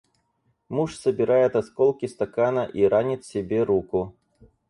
Муж собирает осколки стакана и ранит себе руку.